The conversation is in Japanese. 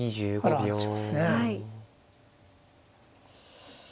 はい。